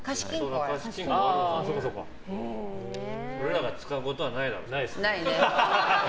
俺らが使うことはないですね。